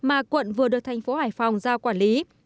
mà quận vừa được thành phố hải phòng giao quản lý